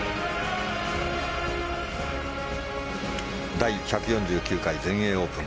第１４９回全英オープン。